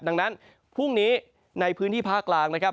ดังนั้นพรุ่งนี้ในพื้นที่ภาคกลางนะครับ